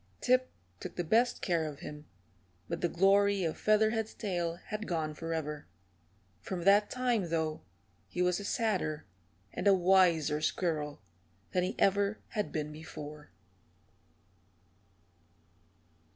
Tip took the best of care of him, but the glory of Featherhead's tail had gone forever. From that time, though, he was a sadder and a wiser squirrel than he ever had been before.